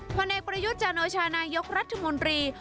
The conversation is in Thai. ผลเอกประยุทธ์จันโอชานายกรัฐมนตรี